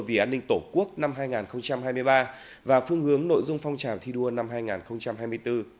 vì an ninh tổ quốc năm hai nghìn hai mươi ba và phương hướng nội dung phong trào thi đua năm hai nghìn hai mươi bốn